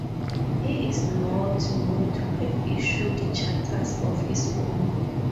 He is not known to have issued charters of his own.